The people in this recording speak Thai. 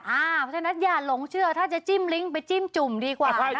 เพราะฉะนั้นอย่าหลงเชื่อถ้าจะจิ้มลิ้งไปจิ้มจุ่มดีกว่า